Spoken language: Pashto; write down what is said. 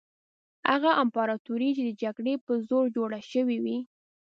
هغه امپراطوري چې د جګړې په زور جوړه شوې وي.